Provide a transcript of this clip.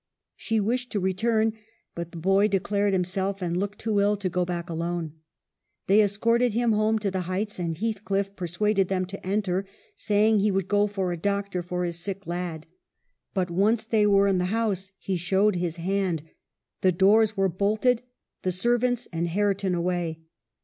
She wished to return, but the boy declared himself, and looked, too ill to go back alone. They escorted him home to the Heights, and Heathcliff persuaded them to enter, saying he would go for a doctor for his sick lad. But, once they were in the house, he showed his hand. The doors were bolted ; the servants and Hareton away.